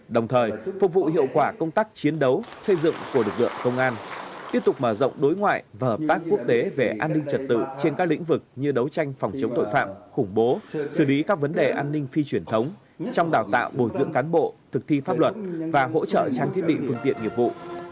đồng thời phục vụ hiệu quả công tác chiến đấu xây dựng của lực lượng công an tiếp tục mở rộng đối ngoại và hợp tác quốc tế về an ninh trật tự trên các lĩnh vực như đấu tranh phòng chống tội phạm khủng bố xử lý các vấn đề an ninh phi truyền thống trong đào tạo bồi dưỡng cán bộ thực thi pháp luật và hỗ trợ trang thiết bị phương tiện nghiệp vụ